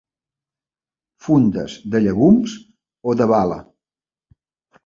Fundes de llegums o de bala.